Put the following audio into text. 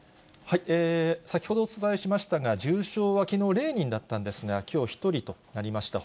先ほどお伝えしましたが、重症はきのう０人だったんですが、きょうは１人となりました。